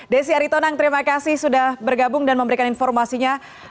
desi aritonang terima kasih sudah bergabung dan memberikan informasinya